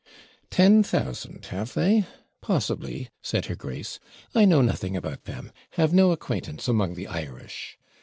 'Ten thousand, have they? possibly,' said her grace. 'I know nothing about them have no acquaintance among the Irish.